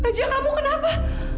bajak kamu kenapa